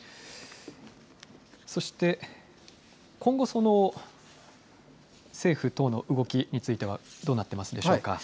そして今後、政府等の動きについてはどうなっていますでしょうか。